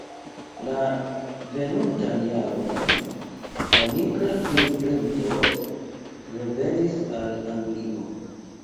La venontan jaron, la Nigra Princo revenis al Anglio.